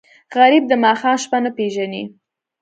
غریب د ماښام شپه نه پېژني